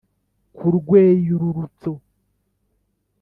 ku rwiyerurutso